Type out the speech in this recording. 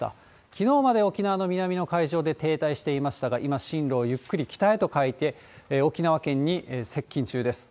きのうまで沖縄の南の海上で停滞していましたが、今、進路をゆっくり北へと変えて、沖縄県に接近中です。